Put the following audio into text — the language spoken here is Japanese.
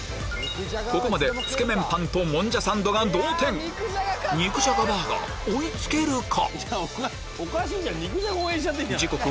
ここまでつけ麺パンともんじゃサンドが同点肉じゃがバーガー追い付けるか？